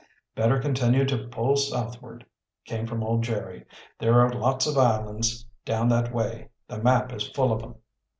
"Better continue to pull southward," came from old Jerry. "There are lots of islands down that way. The map is full of 'em."